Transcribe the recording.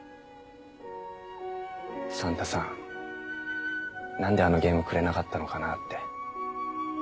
サンタさんなんであのゲームくれなかったのかなぁって。